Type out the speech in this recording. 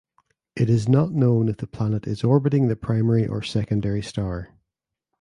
It is not known if the planet is orbiting the primary or secondary star.